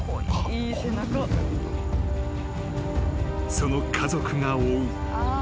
［その家族が追う］